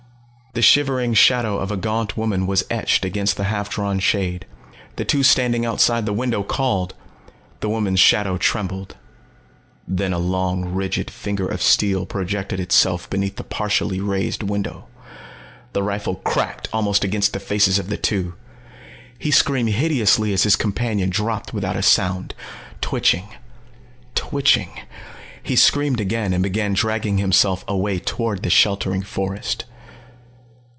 The shivering shadow of a gaunt woman was etched against the half drawn shade. The two standing outside the window called. The woman's shadow trembled. Then a long rigid finger of steel projected itself beneath the partially raised window. The rifle cracked almost against the faces of the two. He screamed hideously as his companion dropped without a sound, twitching, twitching he screamed again and began dragging himself away toward the sheltering forest.